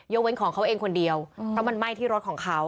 เว้นของเขาเองคนเดียวเพราะมันไหม้ที่รถของเขา